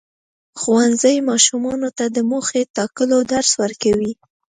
ښوونځی ماشومانو ته د موخو ټاکلو درس ورکوي.